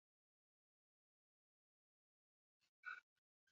Programarik gabeko ordenagailu bat ez litzateke ezer egiteko gai izango.